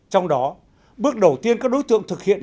trong đó bước đầu tiên các đối tượng thực hiện